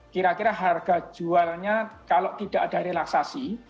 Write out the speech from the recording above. kira kira harga jualnya kalau tidak ada relaksasi